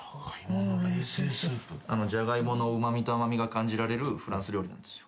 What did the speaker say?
じゃがいものうま味と甘味が感じられるフランス料理なんですよ。